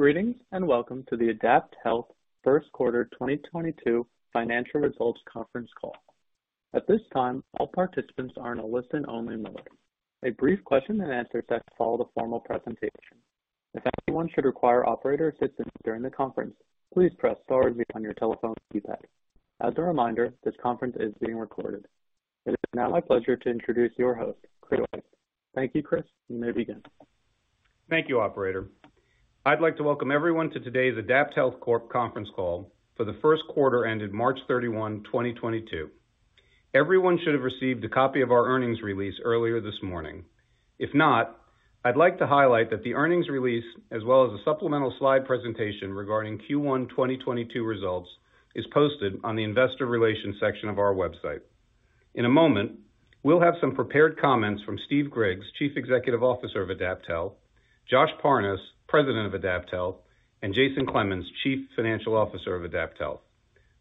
Greetings, and welcome to the AdaptHealth first quarter 2022 financial results conference call. At this time, all participants are in a listen-only mode. A brief question-and-answer session will follow the formal presentation. If anyone should require operator assistance during the conference, please press star zero on your telephone keypad. As a reminder, this conference is being recorded. It is now my pleasure to introduce your host, Chris White. Thank you, Chris. You may begin. Thank you, operator. I'd like to welcome everyone to today's AdaptHealth Corp. conference call for the first quarter ended March 31, 2022. Everyone should have received a copy of our earnings release earlier this morning. If not, I'd like to highlight that the earnings release as well as a supplemental slide presentation regarding Q1 2022 results is posted on the investor relations section of our website. In a moment, we'll have some prepared comments from Steve Griggs, Chief Executive Officer of AdaptHealth, Josh Parnes, President of AdaptHealth, and Jason Clemens, Chief Financial Officer of AdaptHealth.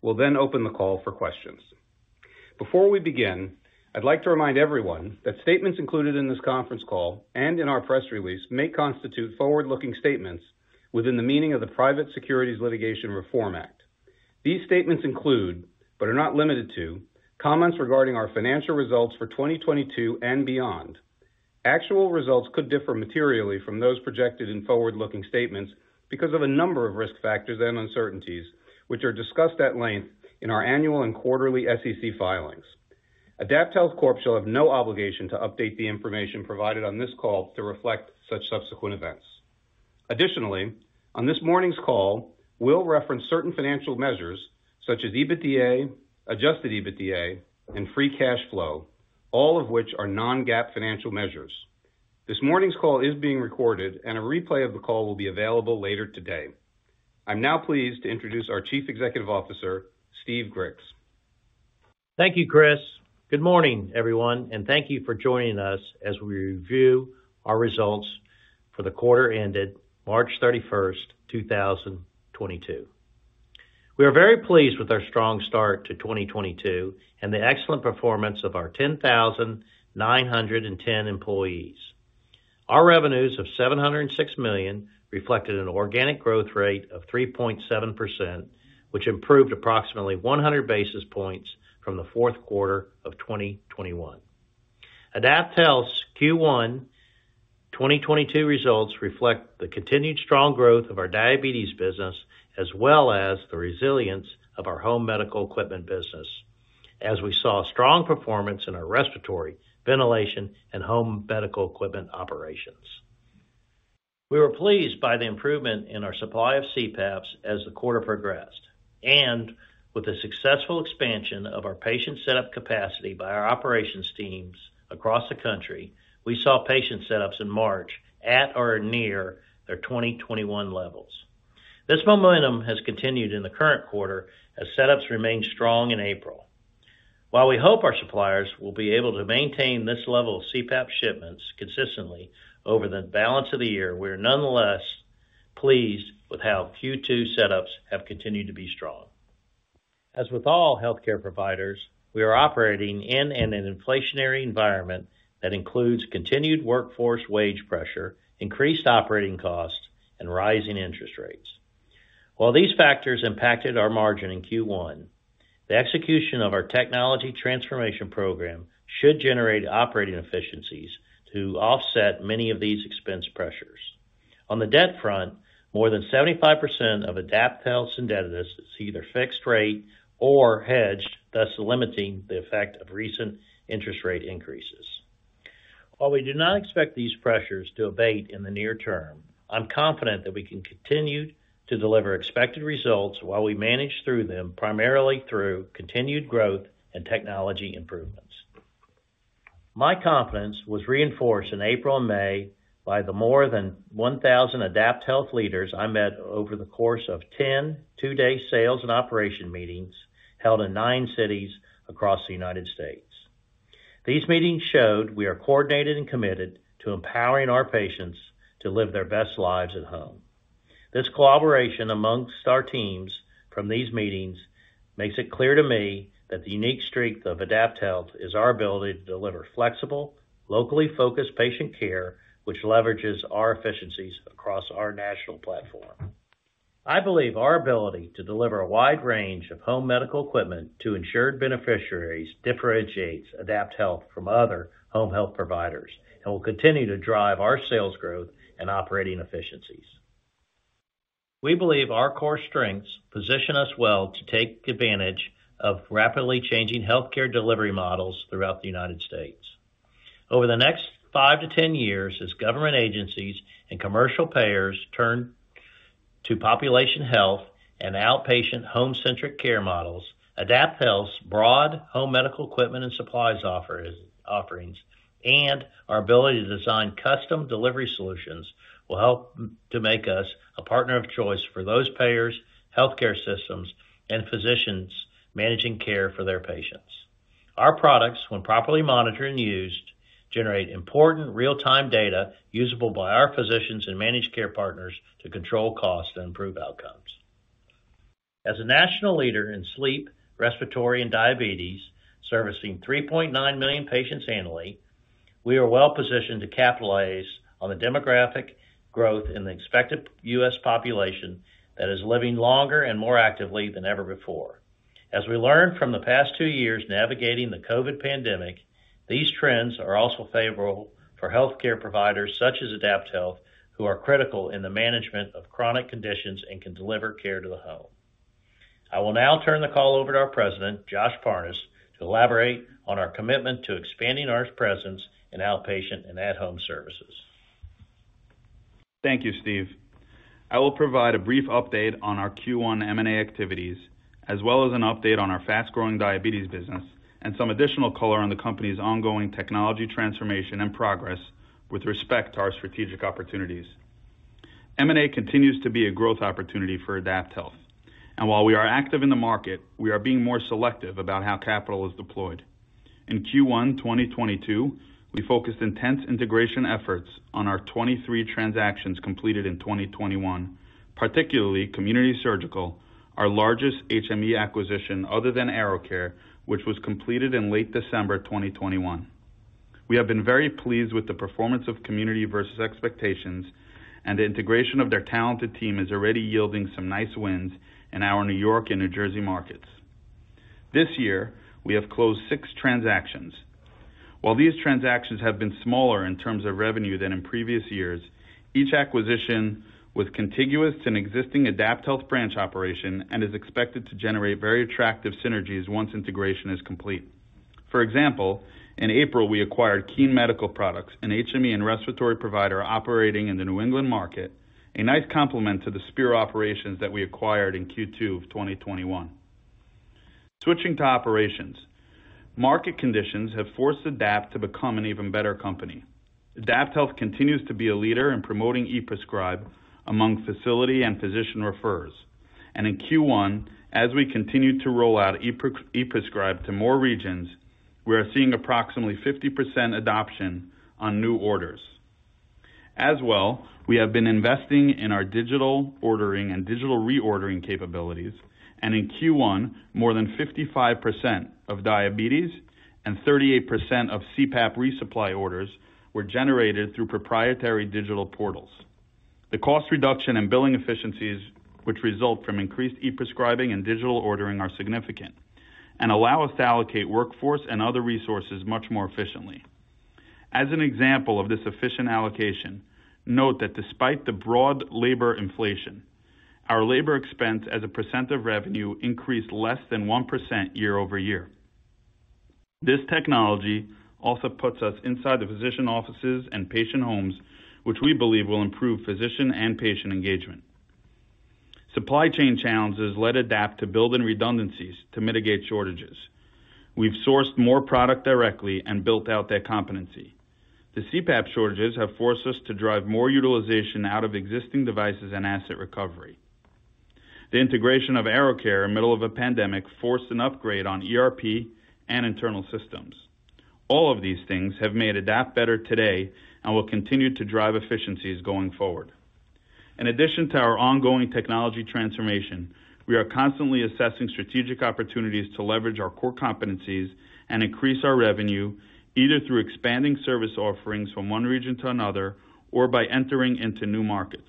We'll then open the call for questions. Before we begin, I'd like to remind everyone that statements included in this conference call and in our press release may constitute forward-looking statements within the meaning of the Private Securities Litigation Reform Act. These statements include, but are not limited to, comments regarding our financial results for 2022 and beyond. Actual results could differ materially from those projected in forward-looking statements because of a number of risk factors and uncertainties, which are discussed at length in our annual and quarterly SEC filings. AdaptHealth Corp. shall have no obligation to update the information provided on this call to reflect such subsequent events. Additionally, on this morning's call, we'll reference certain financial measures such as EBITDA, adjusted EBITDA, and free cash flow, all of which are non-GAAP financial measures. This morning's call is being recorded, and a replay of the call will be available later today. I'm now pleased to introduce our Chief Executive Officer, Steve Griggs. Thank you, Chris. Good morning, everyone, and thank you for joining us as we review our results for the quarter ended March 31, 2022. We are very pleased with our strong start to 2022 and the excellent performance of our 10,909 employees. Our revenues of $706 million reflected an organic growth rate of 3.7%, which improved approximately 100 basis points from the fourth quarter of 2021. AdaptHealth's Q1 2022 results reflect the continued strong growth of our diabetes business, as well as the resilience of our home medical equipment business as we saw strong performance in our respiratory, ventilation, and home medical equipment operations. We were pleased by the improvement in our supply of CPAPs as the quarter progressed. With the successful expansion of our patient setup capacity by our operations teams across the country, we saw patient setups in March at or near their 2021 levels. This momentum has continued in the current quarter as setups remain strong in April. While we hope our suppliers will be able to maintain this level of CPAP shipments consistently over the balance of the year, we're nonetheless pleased with how Q2 setups have continued to be strong. As with all healthcare providers, we are operating in an inflationary environment that includes continued workforce wage pressure, increased operating costs, and rising interest rates. While these factors impacted our margin in Q1, the execution of our technology transformation program should generate operating efficiencies to offset many of these expense pressures. On the debt front, more than 75% of AdaptHealth's indebtedness is either fixed rate or hedged, thus limiting the effect of recent interest rate increases. While we do not expect these pressures to abate in the near term, I'm confident that we can continue to deliver expected results while we manage through them, primarily through continued growth and technology improvements. My confidence was reinforced in April and May by the more than 1,000 AdaptHealth leaders I met over the course of 10, two-day sales and operation meetings held in 9 cities across the United States. These meetings showed we are coordinated and committed to empowering our patients to live their best lives at home. This collaboration among our teams from these meetings makes it clear to me that the unique strength of AdaptHealth is our ability to deliver flexible, locally focused patient care, which leverages our efficiencies across our national platform. I believe our ability to deliver a wide range of home medical equipment to insured beneficiaries differentiates AdaptHealth from other home health providers and will continue to drive our sales growth and operating efficiencies. We believe our core strengths position us well to take advantage of rapidly changing healthcare delivery models throughout the United States. Over the next 5-10 years, as government agencies and commercial payers turn to population health and outpatient home-centric care models, AdaptHealth's broad home medical equipment and supplies offerings and our ability to design custom delivery solutions will help to make us a partner of choice for those payers, healthcare systems, and physicians managing care for their patients. Our products, when properly monitored and used, generate important real-time data usable by our physicians and managed care partners to control costs and improve outcomes. As a national leader in sleep, respiratory, and diabetes, servicing 3.9 million patients annually, we are well-positioned to capitalize on the demographic growth in the expected U.S. population that is living longer and more actively than ever before. As we learned from the past two years navigating the COVID pandemic, these trends are also favorable for healthcare providers such as AdaptHealth, who are critical in the management of chronic conditions and can deliver care to the home. I will now turn the call over to our president, Joshua Parnes, to elaborate on our commitment to expanding our presence in outpatient and at-home services. Thank you, Steve. I will provide a brief update on our Q1 M&A activities, as well as an update on our fast-growing diabetes business and some additional color on the company's ongoing technology transformation and progress with respect to our strategic opportunities. M&A continues to be a growth opportunity for AdaptHealth, and while we are active in the market, we are being more selective about how capital is deployed. In Q1 2022, we focused intense integration efforts on our 23 transactions completed in 2021, particularly Community Surgical, our largest HME acquisition other than AeroCare, which was completed in late December 2021. We have been very pleased with the performance of Community versus expectations, and the integration of their talented team is already yielding some nice wins in our New York and New Jersey markets. This year, we have closed 6 transactions. While these transactions have been smaller in terms of revenue than in previous years, each acquisition was contiguous to an existing AdaptHealth branch operation and is expected to generate very attractive synergies once integration is complete. For example, in April, we acquired Keene Medical, an HME and respiratory provider operating in the New England market, a nice complement to the Spiro operations that we acquired in Q2 of 2021. Switching to operations. Market conditions have forced Adapt to become an even better company. AdaptHealth continues to be a leader in promoting e-prescribe among facility and physician referrers. In Q1, as we continued to roll out e-prescribe to more regions, we are seeing approximately 50% adoption on new orders. As well, we have been investing in our digital ordering and digital reordering capabilities, and in Q1, more than 55% of diabetes and 38% of CPAP resupply orders were generated through proprietary digital portals. The cost reduction and billing efficiencies which result from increased e-prescribing and digital ordering are significant and allow us to allocate workforce and other resources much more efficiently. As an example of this efficient allocation, note that despite the broad labor inflation, our labor expense as a percent of revenue increased less than 1% year-over-year. This technology also puts us inside the physician offices and patient homes, which we believe will improve physician and patient engagement. Supply chain challenges led Adapt to build in redundancies to mitigate shortages. We've sourced more product directly and built out that competency. The CPAP shortages have forced us to drive more utilization out of existing devices and asset recovery. The integration of AeroCare in the middle of a pandemic forced an upgrade on ERP and internal systems. All of these things have made AdaptHealth better today and will continue to drive efficiencies going forward. In addition to our ongoing technology transformation, we are constantly assessing strategic opportunities to leverage our core competencies and increase our revenue, either through expanding service offerings from one region to another or by entering into new markets.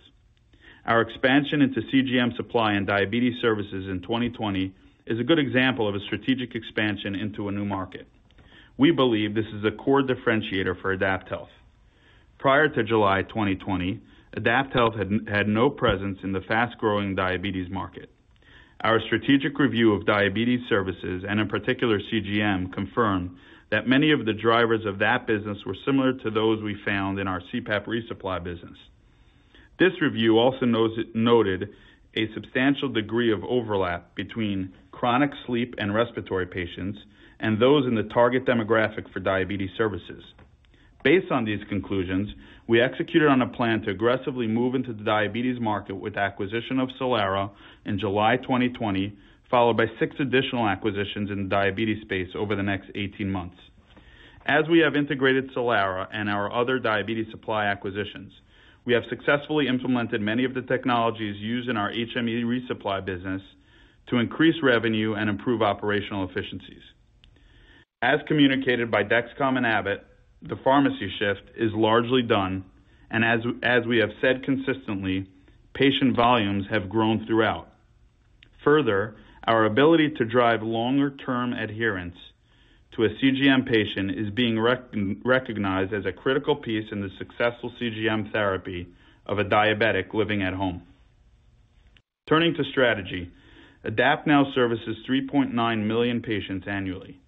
Our expansion into CGM supply and diabetes services in 2020 is a good example of a strategic expansion into a new market. We believe this is a core differentiator for AdaptHealth. Prior to July 2020, AdaptHealth had no presence in the fast-growing diabetes market. Our strategic review of diabetes services, and in particular CGM, confirmed that many of the drivers of that business were similar to those we found in our CPAP resupply business. This review also noted a substantial degree of overlap between chronic sleep and respiratory patients and those in the target demographic for diabetes services. Based on these conclusions, we executed on a plan to aggressively move into the diabetes market with the acquisition of Solara in July 2020, followed by six additional acquisitions in the diabetes space over the next 18 months. As we have integrated Solara and our other diabetes supply acquisitions, we have successfully implemented many of the technologies used in our HME resupply business to increase revenue and improve operational efficiencies. As communicated by Dexcom and Abbott, the pharmacy shift is largely done, and as we have said consistently, patient volumes have grown throughout. Further, our ability to drive longer-term adherence to a CGM patient is being recognized as a critical piece in the successful CGM therapy of a diabetic living at home. Turning to strategy, Adapt now services 3.9 million patients annually.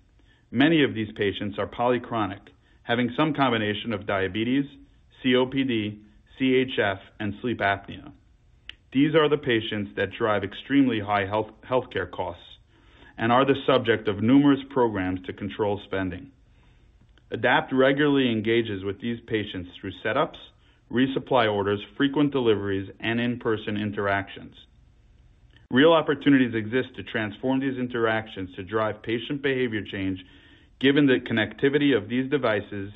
Many of these patients are polychronic, having some combination of diabetes, COPD, CHF, and sleep apnea. These are the patients that drive extremely high healthcare costs and are the subject of numerous programs to control spending. Adapt regularly engages with these patients through setups, resupply orders, frequent deliveries, and in-person interactions. Real opportunities exist to transform these interactions to drive patient behavior change, given the connectivity of these devices,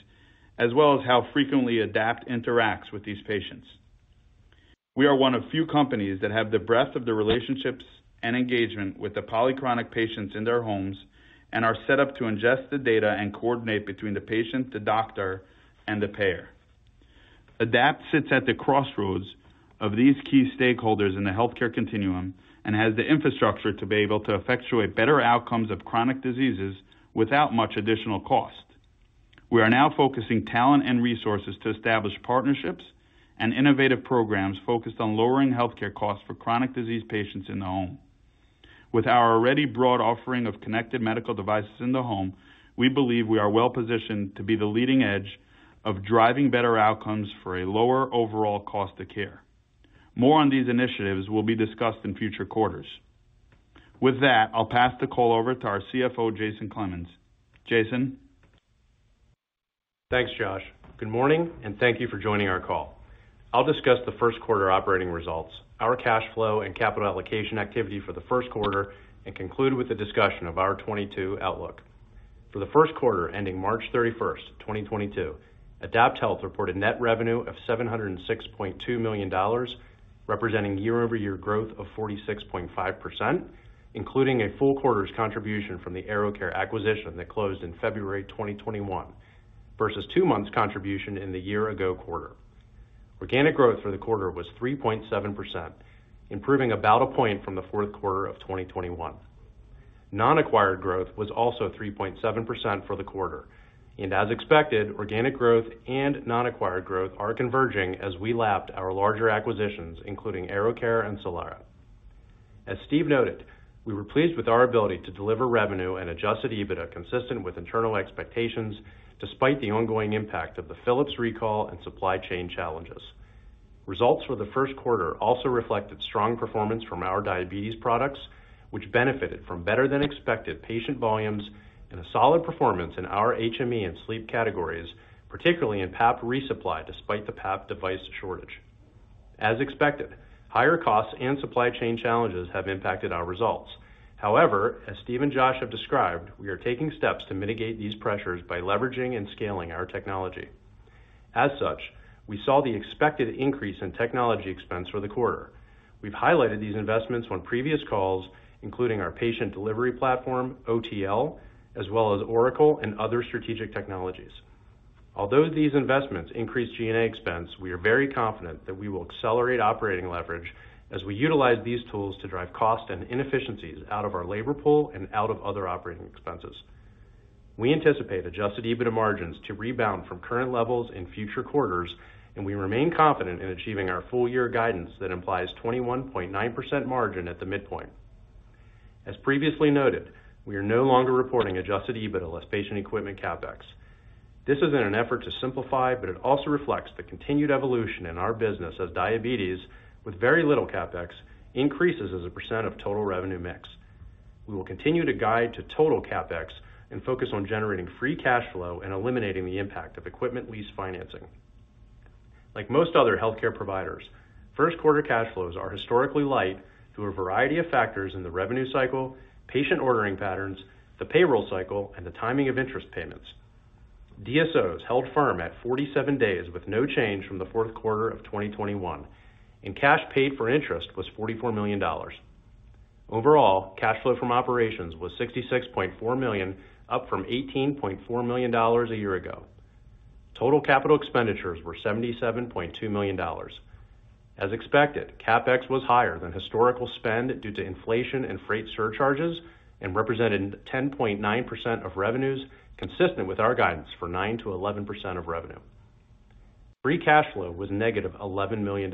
as well as how frequently Adapt interacts with these patients. We are one of few companies that have the breadth of the relationships and engagement with the polychronic patients in their homes, and are set up to ingest the data and coordinate between the patient, the doctor, and the payer. Adapt sits at the crossroads of these key stakeholders in the healthcare continuum and has the infrastructure to be able to effectuate better outcomes of chronic diseases without much additional cost. We are now focusing talent and resources to establish partnerships and innovative programs focused on lowering healthcare costs for chronic disease patients in the home. With our already broad offering of connected medical devices in the home, we believe we are well-positioned to be the leading edge of driving better outcomes for a lower overall cost of care. More on these initiatives will be discussed in future quarters. With that, I'll pass the call over to our CFO, Jason Clemens. Jason? Thanks, Josh. Good morning, and thank you for joining our call. I'll discuss the first quarter operating results, our cash flow, and capital allocation activity for the first quarter, and conclude with a discussion of our 2022 outlook. For the first quarter ending March 31, 2022, AdaptHealth reported net revenue of $706.2 million, representing year-over-year growth of 46.5%, including a full quarter's contribution from the AeroCare acquisition that closed in February 2021 versus two months' contribution in the year ago quarter. Organic growth for the quarter was 3.7%, improving about a point from the fourth quarter of 2021. Non-acquired growth was also 3.7% for the quarter. As expected, organic growth and non-acquired growth are converging as we lapped our larger acquisitions, including AeroCare and Solara. As Steve noted, we were pleased with our ability to deliver revenue and adjusted EBITDA consistent with internal expectations, despite the ongoing impact of the Philips recall and supply chain challenges. Results for the first quarter also reflected strong performance from our diabetes products, which benefited from better than expected patient volumes and a solid performance in our HME and sleep categories, particularly in PAP resupply, despite the PAP device shortage. As expected, higher costs and supply chain challenges have impacted our results. However, as Steve and Josh have described, we are taking steps to mitigate these pressures by leveraging and scaling our technology. As such, we saw the expected increase in technology expense for the quarter. We've highlighted these investments on previous calls, including our patient delivery platform, OTL, as well as Oracle and other strategic technologies. Although these investments increase G&A expense, we are very confident that we will accelerate operating leverage as we utilize these tools to drive cost and inefficiencies out of our labor pool and out of other operating expenses. We anticipate adjusted EBITDA margins to rebound from current levels in future quarters, and we remain confident in achieving our full year guidance that implies 21.9% margin at the midpoint. As previously noted, we are no longer reporting adjusted EBITDA less patient equipment CapEx. This is in an effort to simplify, but it also reflects the continued evolution in our business as diabetes with very little CapEx increases as a percent of total revenue mix. We will continue to guide to total CapEx and focus on generating free cash flow and eliminating the impact of equipment lease financing. Like most other healthcare providers, first quarter cash flows are historically light through a variety of factors in the revenue cycle, patient ordering patterns, the payroll cycle, and the timing of interest payments. DSOs held firm at 47 days with no change from the fourth quarter of 2021, and cash paid for interest was $44 million. Overall, cash flow from operations was $66.4 million, up from $18.4 million a year ago. Total capital expenditures were $77.2 million. As expected, CapEx was higher than historical spend due to inflation and freight surcharges and represented 10.9% of revenues, consistent with our guidance for 9%-11% of revenue. Free cash flow was -$11 million.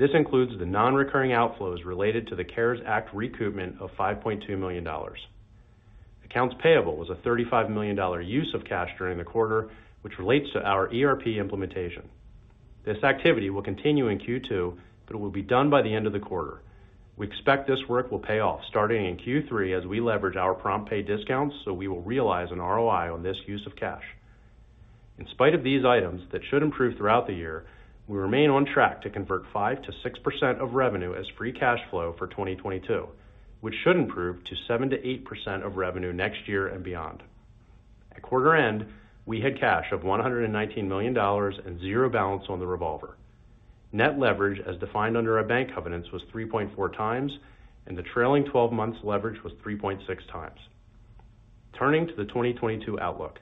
This includes the non-recurring outflows related to the CARES Act recoupment of $5.2 million. Accounts payable was a $35 million use of cash during the quarter, which relates to our ERP implementation. This activity will continue in Q2, but it will be done by the end of the quarter. We expect this work will pay off starting in Q3 as we leverage our prompt pay discounts, so we will realize an ROI on this use of cash. In spite of these items that should improve throughout the year, we remain on track to convert 5%-6% of revenue as free cash flow for 2022, which should improve to 7%-8% of revenue next year and beyond. At quarter end, we had cash of $119 million and 0 balance on the revolver. Net leverage as defined under our bank covenants was 3.4 times, and the trailing twelve months leverage was 3.6 times. Turning to the 2022 outlook,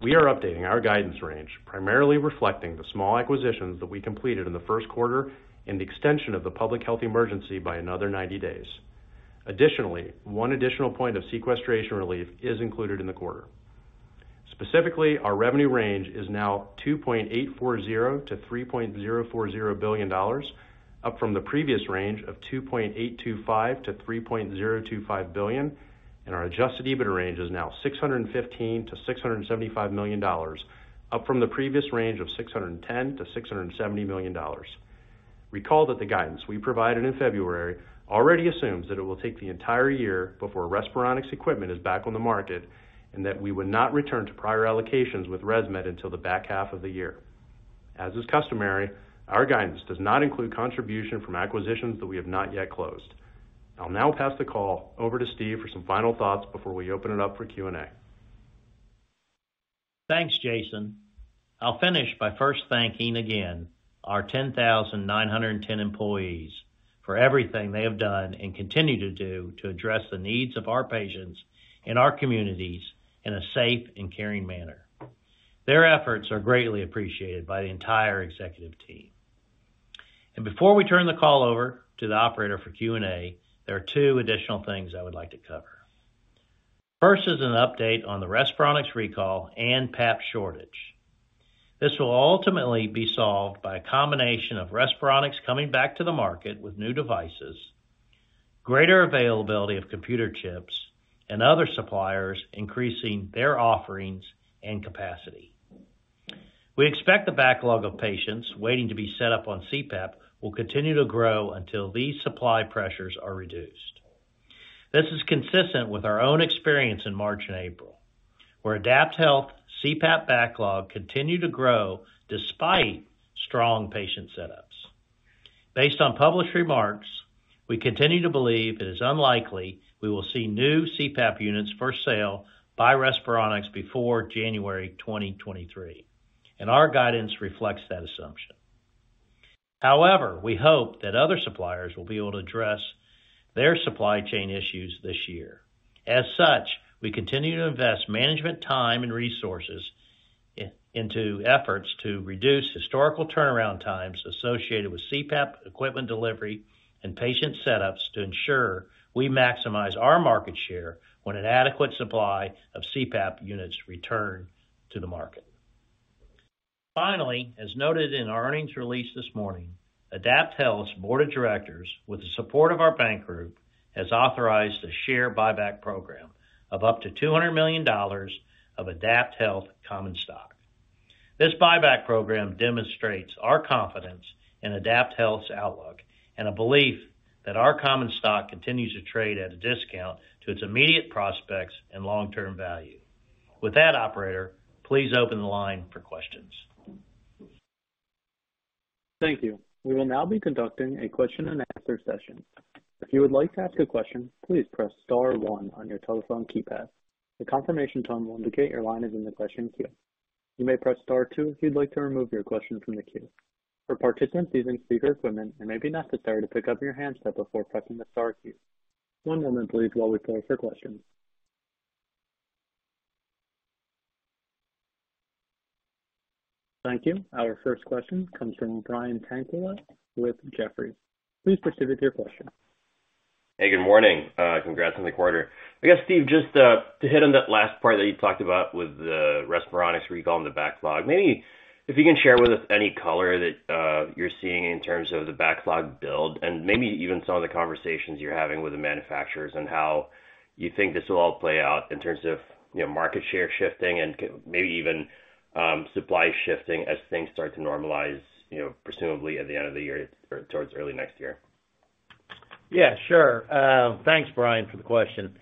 we are updating our guidance range, primarily reflecting the small acquisitions that we completed in the first quarter and the extension of the public health emergency by another 90 days. Additionally, one additional point of sequestration relief is included in the quarter. Specifically, our revenue range is now $2.840 billion-$3.040 billion, up from the previous range of $2.825 billion-$3.025 billion. Our adjusted EBITDA range is now $615 million-$675 million, up from the previous range of $610 million-$670 million. Recall that the guidance we provided in February already assumes that it will take the entire year before Respironics equipment is back on the market, and that we would not return to prior allocations with ResMed until the back half of the year. As is customary, our guidance does not include contribution from acquisitions that we have not yet closed. I'll now pass the call over to Steve for some final thoughts before we open it up for Q&A. Thanks, Jason. I'll finish by first thanking again our 10,910 employees for everything they have done and continue to do to address the needs of our patients and our communities in a safe and caring manner. Their efforts are greatly appreciated by the entire executive team. Before we turn the call over to the operator for Q&A, there are two additional things I would like to cover. First is an update on the Respironics recall and PAP shortage. This will ultimately be solved by a combination of Respironics coming back to the market with new devices, greater availability of computer chips, and other suppliers increasing their offerings and capacity. We expect the backlog of patients waiting to be set up on CPAP will continue to grow until these supply pressures are reduced. This is consistent with our own experience in March and April, where AdaptHealth CPAP backlog continued to grow despite strong patient setups. Based on published remarks, we continue to believe it is unlikely we will see new CPAP units for sale by Respironics before January 2023, and our guidance reflects that assumption. However, we hope that other suppliers will be able to address their supply chain issues this year. As such, we continue to invest management time and resources into efforts to reduce historical turnaround times associated with CPAP equipment delivery and patient setups to ensure we maximize our market share when an adequate supply of CPAP units return to the market. Finally, as noted in our earnings release this morning, AdaptHealth's Board of Directors, with the support of our bank group, has authorized a share buyback program of up to $200 million of AdaptHealth common stock. This buyback program demonstrates our confidence in AdaptHealth's outlook and a belief that our common stock continues to trade at a discount to its immediate prospects and long-term value. With that, operator, please open the line for questions. Thank you. We will now be conducting a question-and-answer session. If you would like to ask a question, please press star one on your telephone keypad. The confirmation tone will indicate your line is in the question queue. You may press star two if you'd like to remove your question from the queue. For participants using speaker equipment, it may be necessary to pick up your handset before pressing the star key. One moment please while we pull up your question. Thank you. Our first question comes from Brian Tanquilut with Jefferies. Please proceed with your question. Hey, good morning. Congrats on the quarter. I guess, Steve, just to hit on that last part that you talked about with the Respironics recall and the backlog. Maybe if you can share with us any color that you're seeing in terms of the backlog build and maybe even some of the conversations you're having with the manufacturers on how you think this will all play out in terms of, you know, market share shifting and maybe even supply shifting as things start to normalize, you know, presumably at the end of the year or towards early next year. Yeah, sure. Thanks, Brian, for the question.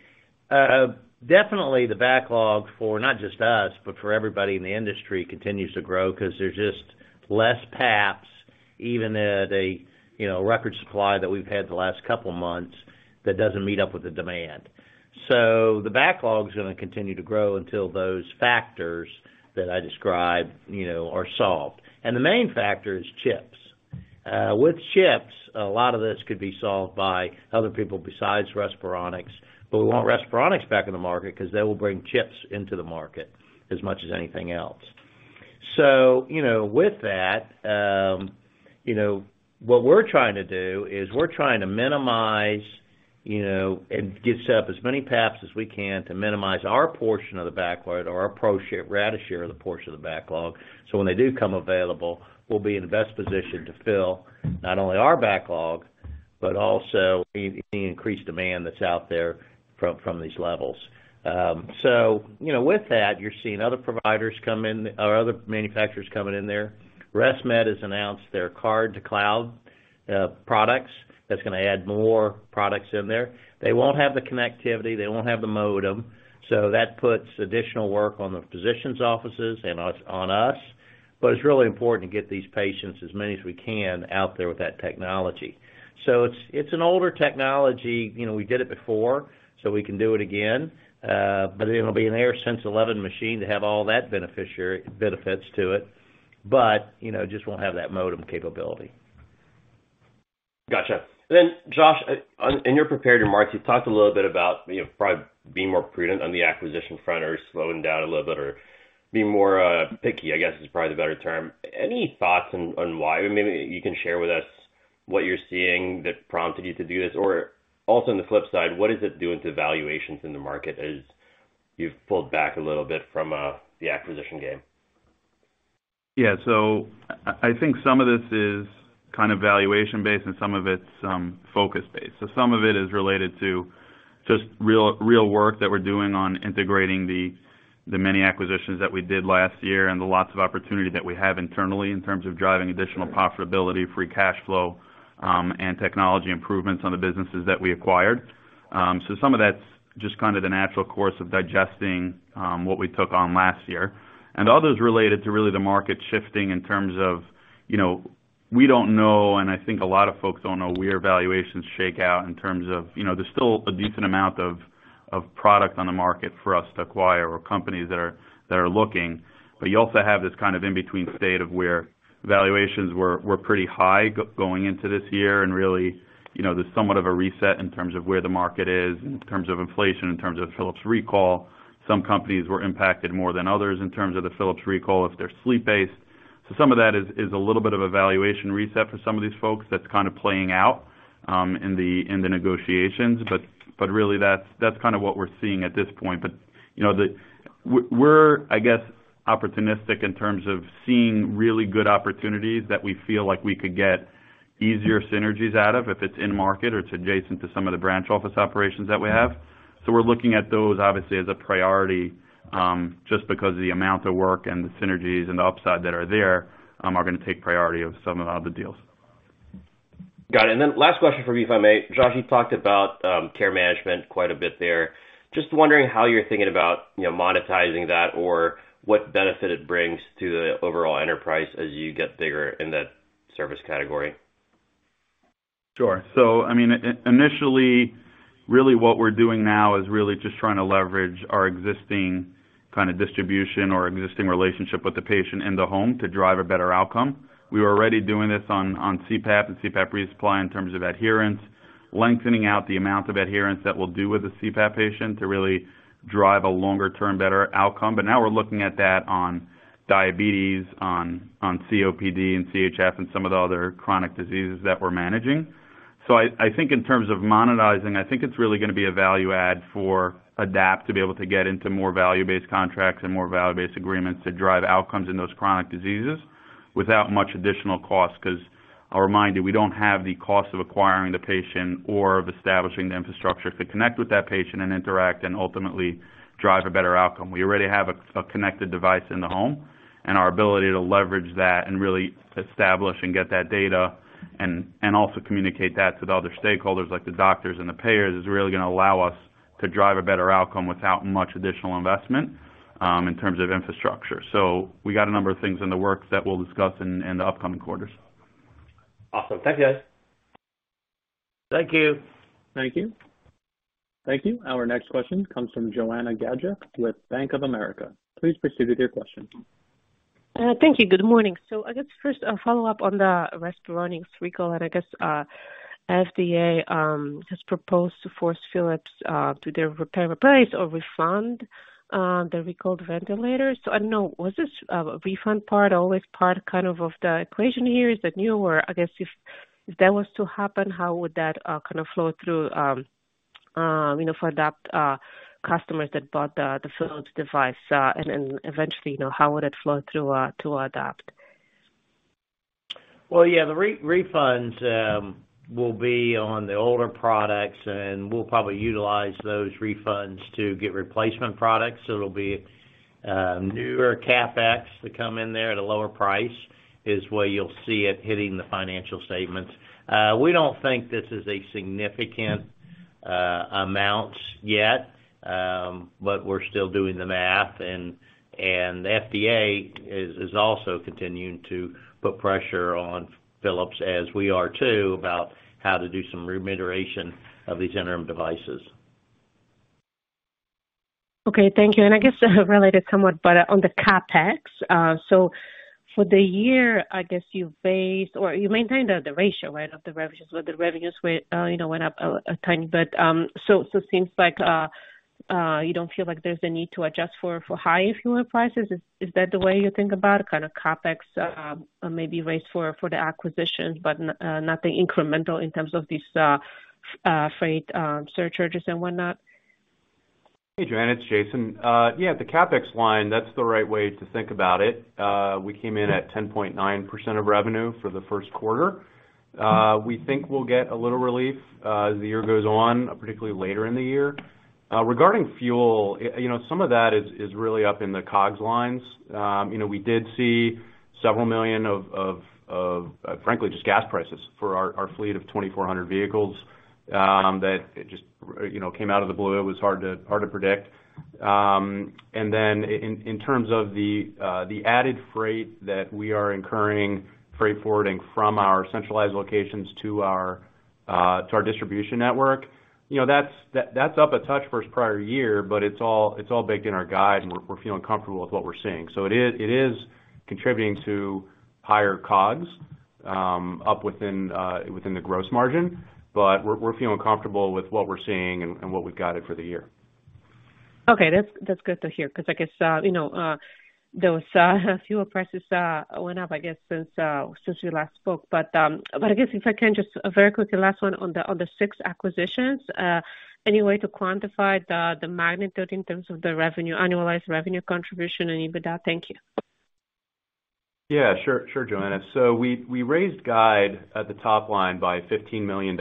Definitely the backlog for not just us, but for everybody in the industry continues to grow because there's just less PAPs, even at a, you know, record supply that we've had the last couple of months that doesn't meet up with the demand. So the backlog is gonna continue to grow until those factors that I described, you know, are solved. The main factor is chips. With chips, a lot of this could be solved by other people besides Respironics, but we want Respironics back in the market because they will bring chips into the market as much as anything else. With that, what we're trying to do is minimize and get set up as many PAPs as we can to minimize our portion of the backlog or our share of the portion of the backlog, so when they do come available, we'll be in the best position to fill not only our backlog, but also any increased demand that's out there from these levels. With that, you're seeing other providers come in or other manufacturers coming in there. ResMed has announced their Card-to-Cloud products. That's gonna add more products in there. They won't have the connectivity, they won't have the modem. That puts additional work on the physicians' offices and us. It's really important to get these patients, as many as we can, out there with that technology. It's an older technology. You know, we did it before, so we can do it again. But it'll be an AirSense 11 machine to have all that benefits to it, but, you know, just won't have that modem capability. Gotcha. Josh, on in your prepared remarks, you talked a little bit about, you know, probably being more prudent on the acquisition front or slowing down a little bit or being more, picky, I guess, is probably the better term. Any thoughts on why? Maybe you can share with us what you're seeing that prompted you to do this? Also on the flip side, what is it doing to valuations in the market as you've pulled back a little bit from, the acquisition game? Yeah. I think some of this is kind of valuation based and some of it's focus based. Some of it is related to just real work that we're doing on integrating the many acquisitions that we did last year and the lots of opportunity that we have internally in terms of driving additional profitability, free cash flow, and technology improvements on the businesses that we acquired. Some of that's just kind of the natural course of digesting what we took on last year. Others related to really the market shifting in terms of, you know. We don't know, and I think a lot of folks don't know where valuations shake out in terms of, you know, there's still a decent amount of product on the market for us to acquire or companies that are looking. You also have this kind of in-between state of where valuations were pretty high going into this year, and really, you know, there's somewhat of a reset in terms of where the market is, in terms of inflation, in terms of Philips recall. Some companies were impacted more than others in terms of the Philips recall if they're sleep-based. Some of that is a little bit of a valuation reset for some of these folks that's kind of playing out in the negotiations, but really that's kind of what we're seeing at this point. You know, we're, I guess, opportunistic in terms of seeing really good opportunities that we feel like we could get easier synergies out of if it's in market or it's adjacent to some of the branch office operations that we have. We're looking at those, obviously, as a priority, just because of the amount of work and the synergies and the upside that are there, are gonna take priority over some of the other deals. Got it. Last question for you, if I may. Josh, you talked about care management quite a bit there. Just wondering how you're thinking about, you know, monetizing that or what benefit it brings to the overall enterprise as you get bigger in that service category? Sure. I mean, initially, really what we're doing now is really just trying to leverage our existing kind of distribution or existing relationship with the patient in the home to drive a better outcome. We were already doing this on CPAP and CPAP resupply in terms of adherence, lengthening out the amount of adherence that we'll do with a CPAP patient to really drive a longer-term better outcome. Now we're looking at that on diabetes, on COPD and CHF and some of the other chronic diseases that we're managing. I think in terms of monetizing, I think it's really gonna be a value add for Adapt to be able to get into more value-based contracts and more value-based agreements to drive outcomes in those chronic diseases without much additional cost. 'Cause I'll remind you, we don't have the cost of acquiring the patient or of establishing the infrastructure to connect with that patient and interact and ultimately drive a better outcome. We already have a connected device in the home and our ability to leverage that and really establish and get that data and also communicate that to the other stakeholders, like the doctors and the payers, is really gonna allow us to drive a better outcome without much additional investment in terms of infrastructure. We got a number of things in the works that we'll discuss in the upcoming quarters. Awesome. Thank you guys. Thank you. Thank you. Thank you. Our next question comes from Joanna Gajuk with Bank of America. Please proceed with your question. Thank you. Good morning. I guess first a follow-up on the Respironics recall, and I guess FDA just proposed to force Philips to do repair, replace or refund the recalled ventilators. I don't know, was this refund part always part of the equation here? Is that new? Or I guess if that was to happen, how would that kind of flow through, you know, for those customers that bought the Philips device? And then eventually, you know, how would it flow through to Adapt? Well, yeah, the refunds will be on the older products, and we'll probably utilize those refunds to get replacement products. It'll be newer CapEx that come in there at a lower price is where you'll see it hitting the financial statements. We don't think this is a significant amount yet, but we're still doing the math. The FDA is also continuing to put pressure on Philips as we are too, about how to do some remediation of these interim devices. Okay. Thank you. I guess, related somewhat, but on the CapEx. For the year, I guess you've raised or you maintained the ratio, right? Of the revenues, where the revenues were, you know, went up a tiny bit. It seems like you don't feel like there's a need to adjust for higher fuel prices. Is that the way you think about it? Kind of CapEx, maybe raised for the acquisitions, but not the incremental in terms of these freight surcharges and whatnot? Hey, Joanna, it's Jason. The CapEx line, that's the right way to think about it. We came in at 10.9% of revenue for the first quarter. We think we'll get a little relief as the year goes on, particularly later in the year. Regarding fuel, you know, some of that is really up in the COGS lines. You know, we did see $several million of frankly just gas prices for our fleet of 2,400 vehicles that just came out of the blue. It was hard to predict. In terms of the added freight that we are incurring, freight forwarding from our centralized locations to our distribution network, you know, that's up a touch versus prior year, but it's all baked in our guide, and we're feeling comfortable with what we're seeing. It is contributing to higher COGS up within the gross margin, but we're feeling comfortable with what we're seeing and what we've guided for the year. Okay. That's good to hear 'cause I guess, you know, those fuel prices went up, I guess, since we last spoke. I guess if I can just very quickly, last one on the six acquisitions. Any way to quantify the magnitude in terms of the revenue, annualized revenue contribution and EBITDA? Thank you. Yeah. Sure, sure, Joanna. We raised guide at the top line by $15 million.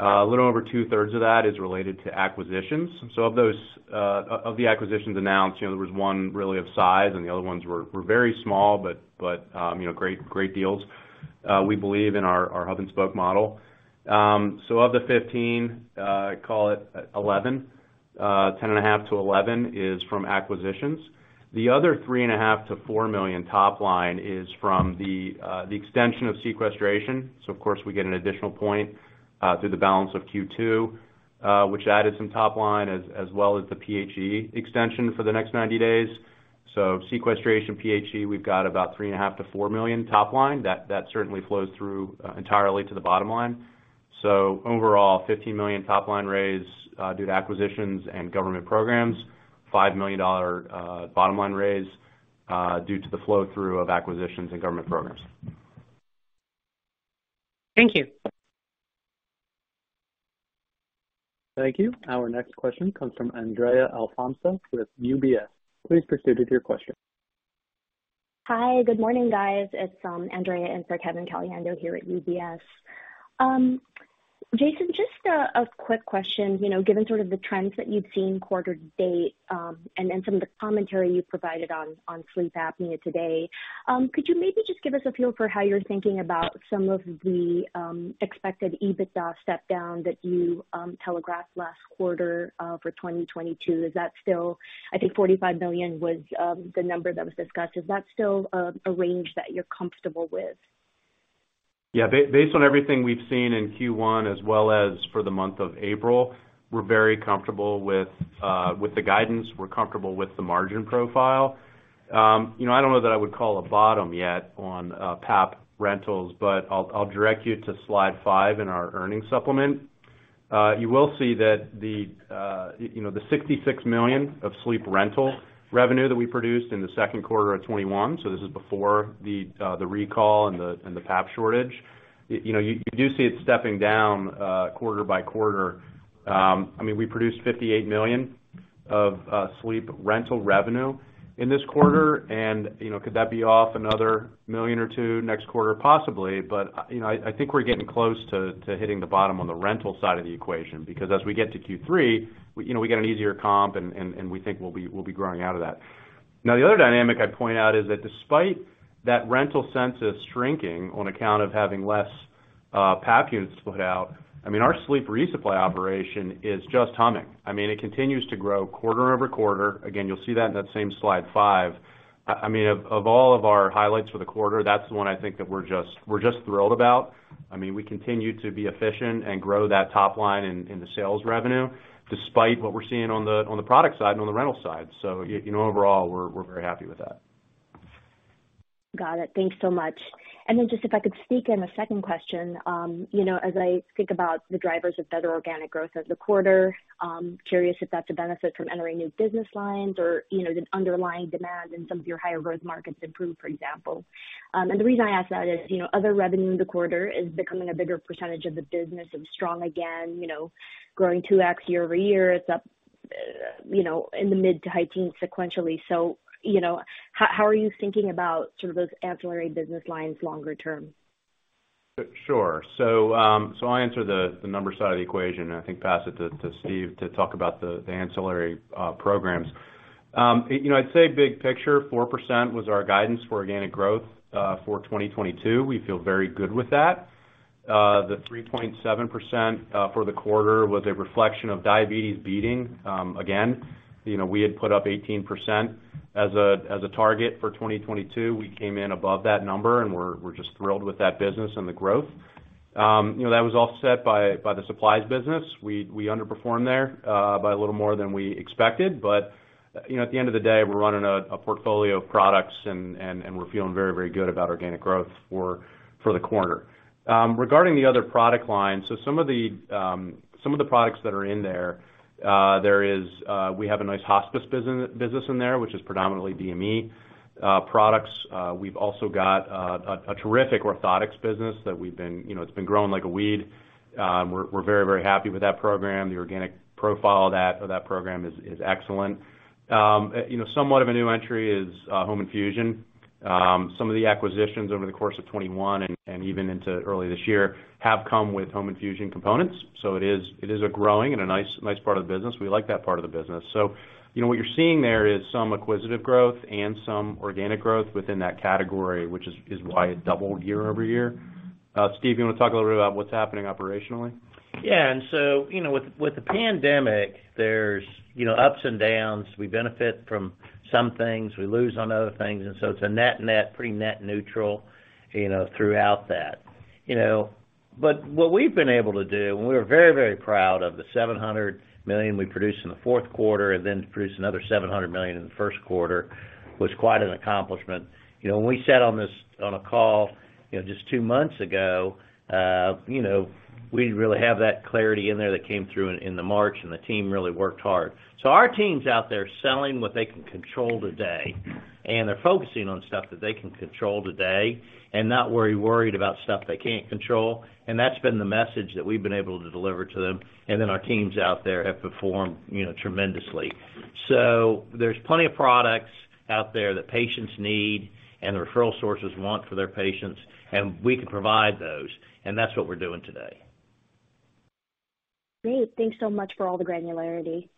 A little over two-thirds of that is related to acquisitions. Of those, of the acquisitions announced, you know, there was one really of size, and the other ones were very small, but you know, great deals. We believe in our hub and spoke model. Of the 15, call it 11 10.5-11 is from acquisitions. The other $3.5-$4 million top line is from the extension of sequestration. Of course, we get an additional point through the balance of Q2, which added some top line as well as the PHE extension for the next 90 days. Sequestration, PHE, we've got about $3.5-$4 million top line that certainly flows through entirely to the bottom line. Overall, $15 million top line raise due to acquisitions and government programs, $5 million bottom line raise due to the flow through of acquisitions and government programs. Thank you. Thank you. Our next question comes from Andrea Alfonso with UBS. Please proceed with your question. Hi, good morning, guys. It's Andrea for Kevin Caliendo here at UBS. Jason, just a quick question, you know, given sort of the trends that you've seen quarter to date, and then some of the commentary you've provided on sleep apnea today. Could you maybe just give us a feel for how you're thinking about some of the expected EBITDA step down that you telegraphed last quarter for 2022? Is that still? I think $45 million was the number that was discussed. Is that still a range that you're comfortable with? Yeah. Based on everything we've seen in Q1 as well as for the month of April, we're very comfortable with the guidance. We're comfortable with the margin profile. You know, I don't know that I would call a bottom yet on PAP rentals, but I'll direct you to slide 5 in our earnings supplement. You will see that you know, the $66 million of sleep rental revenue that we produced in the second quarter of 2021, so this is before the recall and the PAP shortage. You know, you do see it stepping down quarter by quarter. I mean, we produced $58 million of sleep rental revenue in this quarter, and you know, could that be off another million or two next quarter? Possibly, but, you know, I think we're getting close to hitting the bottom on the rental side of the equation, because as we get to Q3, you know, we get an easier comp, and we think we'll be growing out of that. Now, the other dynamic I'd point out is that despite that rental census shrinking on account of having less PAP units to put out, I mean, our sleep resupply operation is just humming. I mean, it continues to grow quarter-over-quarter. Again, you'll see that in that same Slide 5. I mean, of all of our highlights for the quarter, that's the one I think that we're just thrilled about. I mean, we continue to be efficient and grow that top line in the sales revenue despite what we're seeing on the product side and on the rental side. You know, overall, we're very happy with that. Got it. Thanks so much. Just if I could sneak in a second question. You know, as I think about the drivers of better organic growth of the quarter, curious if that's a benefit from entering new business lines or, you know, did underlying demand in some of your higher growth markets improved, for example? The reason I ask that is, you know, other revenue in the quarter is becoming a bigger percentage of the business and strong again, you know, growing 2x year-over-year. It's up, you know, in the mid- to high teens sequentially. You know, how are you thinking about sort of those ancillary business lines longer term? Sure. I'll answer the number side of the equation, and I think pass it to Steve to talk about the ancillary programs. You know, I'd say big picture, 4% was our guidance for organic growth for 2022. We feel very good with that. The 3.7% for the quarter was a reflection of diabetes beating again. You know, we had put up 18% as a target for 2022. We came in above that number, and we're just thrilled with that business and the growth. You know, that was offset by the supplies business. We underperformed there by a little more than we expected. You know, at the end of the day, we're running a portfolio of products and we're feeling very, very good about organic growth for the quarter. Regarding the other product lines, some of the products that are in there, we have a nice hospice business in there, which is predominantly DME products. We've also got a terrific orthotics business that we've been, you know, it's been growing like a weed. We're very, very happy with that program. The organic profile of that program is excellent. You know, somewhat of a new entry is home infusion. Some of the acquisitions over the course of 2021 and even into early this year have come with home infusion components. It is a growing and a nice part of the business. We like that part of the business. You know, what you're seeing there is some acquisitive growth and some organic growth within that category, which is why it doubled year-over-year. Steve, you wanna talk a little bit about what's happening operationally? Yeah. With the pandemic, there's you know, ups and downs. We benefit from some things. We lose on other things. It's a net-net, pretty net neutral, you know, throughout that. You know, what we've been able to do, and we're very, very proud of the $700 million we produced in the fourth quarter and then produced another $700 million in the first quarter, was quite an accomplishment. You know, when we sat on this call, you know, just two months ago, you know, we really have that clarity in there that came through in the March, and the team really worked hard. Our team's out there selling what they can control today, and they're focusing on stuff that they can control today and not worried about stuff they can't control. That's been the message that we've been able to deliver to them. Then our teams out there have performed, you know, tremendously. There's plenty of products out there that patients need and the referral sources want for their patients, and we can provide those, and that's what we're doing today. Great. Thanks so much for all the granularity.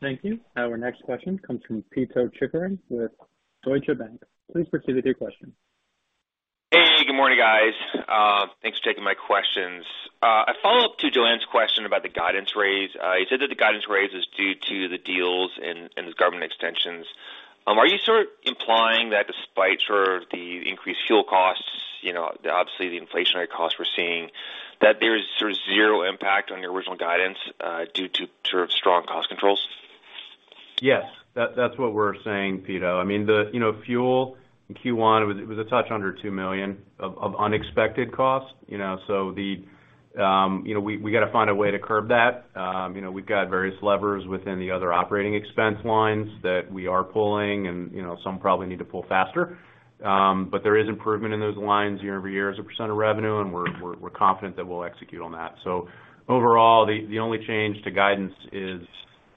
Thank you. Our next question comes from Pito Chickering with Deutsche Bank. Please proceed with your question. Hey, good morning, guys. Thanks for taking my questions. A follow-up to Joanna's question about the guidance raise. You said that the guidance raise is due to the deals and the government extensions. Are you sort of implying that despite sort of the increased fuel costs, you know, obviously the inflationary costs we're seeing, that there's sort of zero impact on your original guidance, due to sort of strong cost controls? Yes. That's what we're saying, Pito Chickering. I mean, you know, fuel in Q1, it was a touch under $2 million of unexpected costs. You know, so we gotta find a way to curb that. You know, we've got various levers within the other operating expense lines that we are pulling and, you know, some probably need to pull faster. But there is improvement in those lines year-over-year as a % of revenue, and we're confident that we'll execute on that. Overall, the only change to guidance is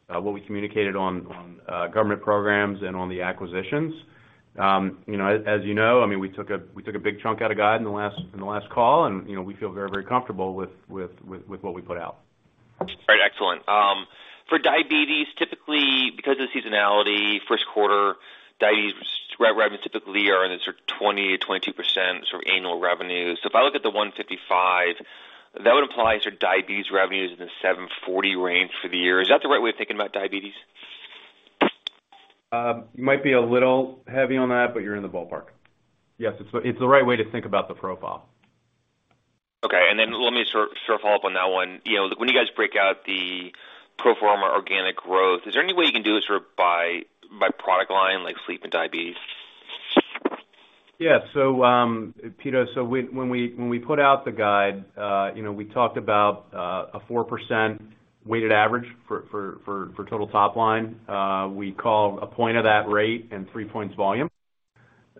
what we communicated on government programs and on the acquisitions. You know, as you know, I mean, we took a big chunk out of guide in the last call, and you know, we feel very comfortable with what we put out. All right. Excellent. For diabetes, typically, because of the seasonality, first quarter diabetes revenue typically are in the sort of 20%-22% sort of annual revenue. So if I look at the $155, that would imply sort of diabetes revenues in the $740 range for the year. Is that the right way of thinking about diabetes? You might be a little heavy on that, but you're in the ballpark. Yes. It's the right way to think about the profile. Okay. Let me sort of follow up on that one. You know, when you guys break out the pro forma organic growth, is there any way you can do it sort of by product line, like sleep and diabetes? Yeah. Peter Chickering, when we put out the guide, you know, we talked about a 4% weighted average for total top line. We call a point of that rate and three points volume.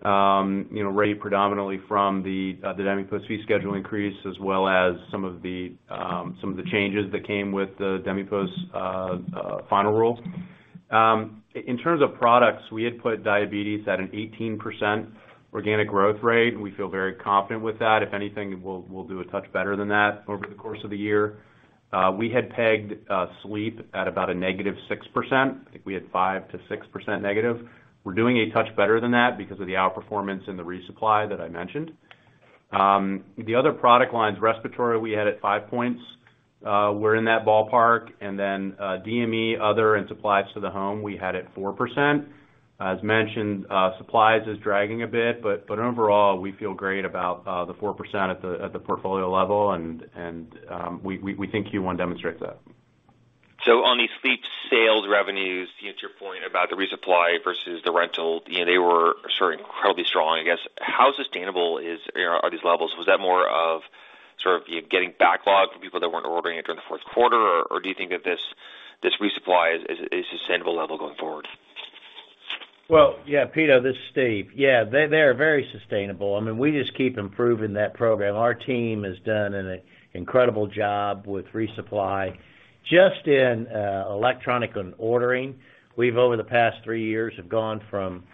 You know, rate predominantly from the DMEPOS fee schedule increase, as well as some of the changes that came with the DMEPOS final rule. In terms of products, we had put diabetes at an 18% organic growth rate, and we feel very confident with that. If anything, we'll do a touch better than that over the course of the year. We had pegged sleep at about a -6%. I think we had -5% to -6%. We're doing a touch better than that because of the outperformance in the resupply that I mentioned. The other product lines, respiratory, we had at 5 points. We're in that ballpark. Then, DME, other, and supplies to the home, we had at 4%. As mentioned, supplies is dragging a bit, but overall, we feel great about the 4% at the portfolio level, and we think Q1 demonstrates that. On the sleep sales revenues, to your point about the resupply versus the rental, you know, they were sort of incredibly strong, I guess. How sustainable are these levels, you know? Was that more of sort of you getting backlog from people that weren't ordering it during the fourth quarter, or do you think that this resupply is a sustainable level going forward? Well, yeah, Peter, this is Steve. Yeah, they are very sustainable. I mean, we just keep improving that program. Our team has done an incredible job with resupply. Just in electronic and ordering, we've over the past three years have gone from